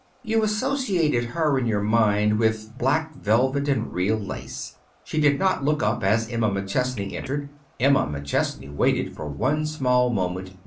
You associated her in your mind with black velvet and real lace. She did not look up as Emma McChesney entered. Emma McChesney waited for one small moment.